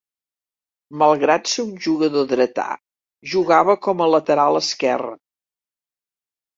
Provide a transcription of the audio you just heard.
Malgrat ser un jugador dretà, jugava com a lateral esquerre.